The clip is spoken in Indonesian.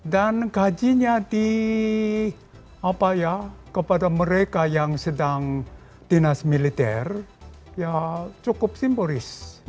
dan gajinya di apa ya kepada mereka yang sedang dinas militer ya cukup simporis